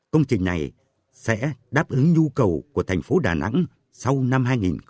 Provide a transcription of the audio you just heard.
công trình này sẽ đáp ứng nhu cầu của thành phố đà nẵng sau năm hai nghìn hai mươi